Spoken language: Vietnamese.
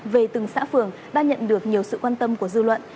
về từng xã phường đã nhận được nhiều sự quan tâm của dư luận